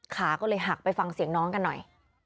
ขาก็เลยหักไปฟังเสียงน้องกันหน่อย